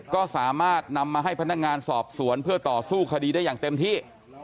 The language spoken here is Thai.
ก็สามารถนำมาให้พนักงานสอบสวนเพื่อต่อสู้คดีได้อย่างเต็มที่